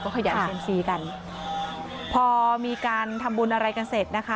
ขยันเซียมซีกันพอมีการทำบุญอะไรกันเสร็จนะคะ